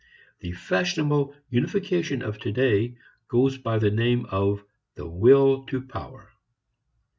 The fashionable unification of today goes by the name of the will to power.